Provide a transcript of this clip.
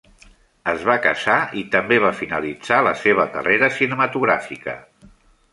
Es va casar i també va finalitzar la seva carrera cinematogràfica.